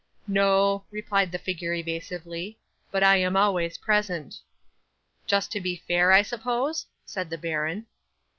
'"No," replied the figure evasively; "but I am always present." '"Just to see fair, I suppose?" said the baron.